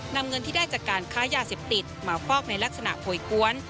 นำเงินที่ได้จากการค้ายาเสพติดมาฟอกในลักษณะโพยกวน